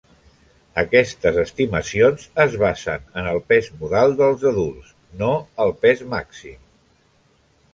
Aquestes estimacions es basen en el pes modal dels adults, no el pes màxim.